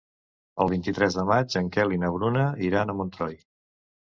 El vint-i-tres de maig en Quel i na Bruna iran a Montroi.